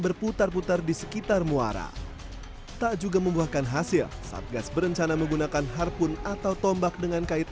ini harapan kita sekeras abu abu kita menombak dia akan masuk sampai di batas ini